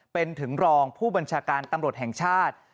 เป็นถึงรองผู้บัญชาการตำรวจแห่งชาติ